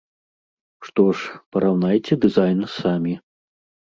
Што ж, параўнайце дызайн самі.